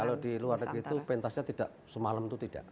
kalau di luar negeri itu pentasnya tidak semalam itu tidak